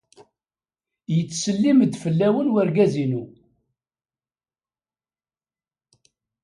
Yettsellim-d fell-awen wergaz-inu.